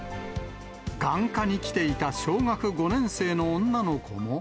眼科に来ていた小学５年生の女の子も。